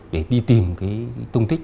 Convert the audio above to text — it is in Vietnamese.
để đi tìm cái tung tích